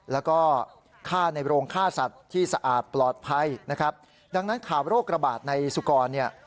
แล้วก็ฆ่าในโรงฆ่าสัตว์ที่สะอาดปลอดภัยนะครับดังนั้นข่าวโรคระบาดในสุกรเนี่ย